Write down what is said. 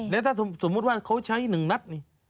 แล้วถ้าสมมติว่าเขาใช้หนึ่งรัด